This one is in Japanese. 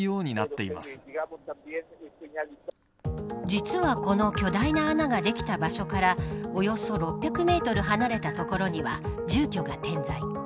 実は、この巨大な穴ができた場所からおよそ６００メートル離れた所には住居が点在。